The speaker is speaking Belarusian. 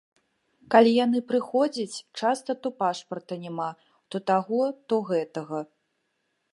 Калі яны прыходзяць, часта то пашпарта няма, то таго, то гэтага.